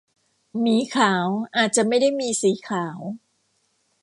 หมีขาว อาจจะไม่ได้มีสีขาว